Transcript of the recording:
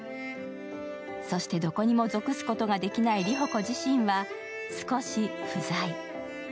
そして、どこにも属すことができない理帆子自身は少し・不在。